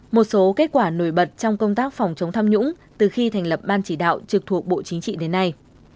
một số kết quả nổi bật trong công tác phòng chống tham nhũng từ khi thành lập ban chỉ đạo trực thuộc bộ chính trị đến nay